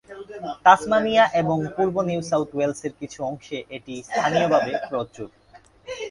Tasmania এবং পূর্ব New South ওয়েলসের কিছু অংশে এটি স্থানীয়ভাবে প্রচুর।